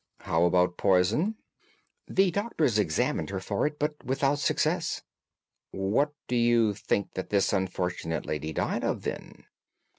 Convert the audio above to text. "How about poison?" "The doctors examined her for it, but without success." "What do you think that this unfortunate lady died of, then?"